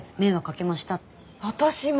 私も！